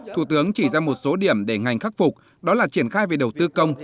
thủ tướng chỉ ra một số điểm để ngành khắc phục đó là triển khai về đầu tư công